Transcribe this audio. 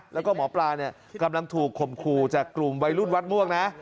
แล้วก็หมอปลากำลังถูกขมครูจากกลุ่มวัยรุ่นวัดม่วง